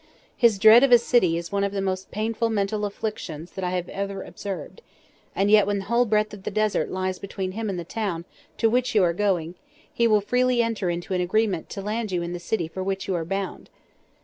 His dread of a city is one of the most painful mental affections that I have ever observed, and yet when the whole breadth of the Desert lies between him and the town to which you are going, he will freely enter into an agreement to land you in the city for which you are bound.